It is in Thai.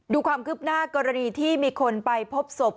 ดูความคืบหน้ากรณีที่มีคนไปพบศพ